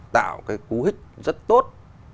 tạo cái cú hít rất tốt